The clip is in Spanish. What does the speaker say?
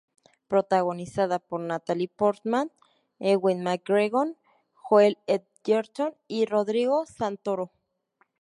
Protagonizada por Natalie Portman, Ewan McGregor, Joel Edgerton y Rodrigo Santoro.